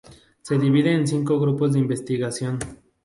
Se divide en cinco grupos de investigación.